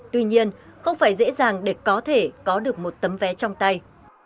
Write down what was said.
tuy nhiên không phải dễ dàng để có thể có được một tấm vé trong tay